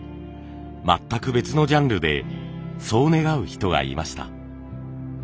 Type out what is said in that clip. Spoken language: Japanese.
全く別のジャンルでそう願う人がいました。